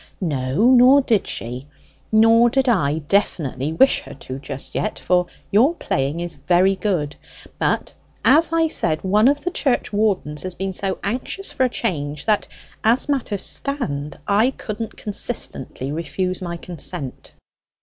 "No, nor did she. Nor did I definitely wish her to just yet; for your playing is very good. But, as I said, one of the churchwardens has been so anxious for a change, that, as matters stand, I couldn't consistently refuse my consent."